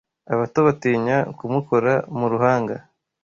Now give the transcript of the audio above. Abato batinya kumukora muruhanga